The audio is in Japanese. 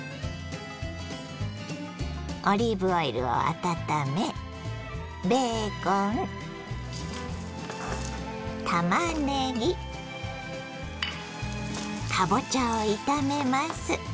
オリーブオイルを温めベーコンたまねぎかぼちゃを炒めます。